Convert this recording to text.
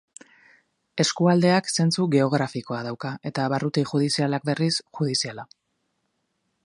Eskualdeak zentzu geografikoa dauka eta barruti judizialak, berriz, judiziala.